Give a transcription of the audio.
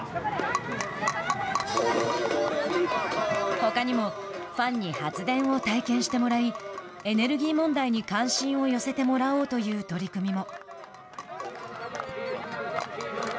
ほかにもファンに発電を体験してもらいエネルギー問題に関心を寄せてもらおうという取り組みも。